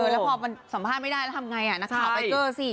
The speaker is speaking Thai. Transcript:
แล้วพอมันสัมภาษณ์ไม่ได้แล้วทำไงนักข่าวไปเจอสิ